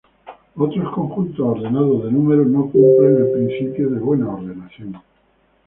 Otros conjuntos ordenados de números no cumplen el principio de buena ordenación.